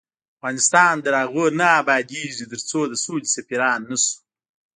افغانستان تر هغو نه ابادیږي، ترڅو د سولې سفیران نشو.